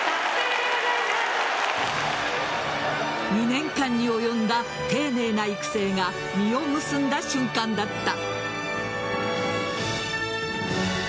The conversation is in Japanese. ２年間に及んだ丁寧な育成が実を結んだ瞬間だった。